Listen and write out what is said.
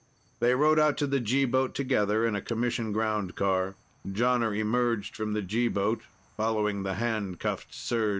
They rode out to the G boat together in a Commission groundcar. Jonner emerged from the G boat, following the handcuffed Serj.